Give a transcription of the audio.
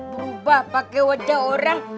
berubah pakai wadah orang